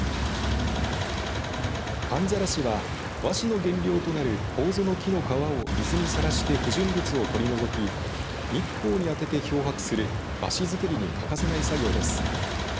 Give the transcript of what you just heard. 寒ざらしは和紙の原料となるこうぞの木の皮を水にさらして不純物を取り除き日光に当てて漂白する和紙づくりに欠かせない作業です。